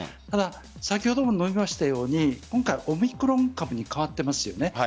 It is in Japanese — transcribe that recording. ただ先ほども述べましたように今回、オミクロン株に換わっていますよね。